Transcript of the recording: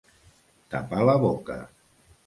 Tapar la boca.